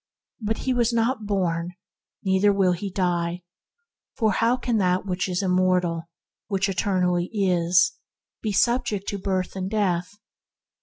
But he was not born, neither will he die, for how can that which is immortal, which eternally is, be subject to birth and death